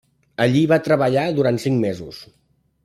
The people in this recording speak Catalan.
Allí va treballar durant cinc mesos.